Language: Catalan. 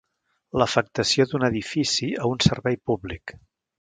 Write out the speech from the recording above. L'afectació d'un edifici a un servei públic.